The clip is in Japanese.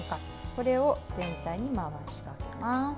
これを全体に回しかけます。